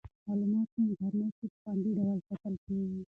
معلومات په انټرنیټ کې په خوندي ډول ساتل کیږي.